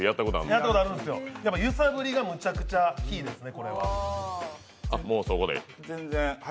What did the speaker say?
揺さぶりがめちゃめちゃキーですね。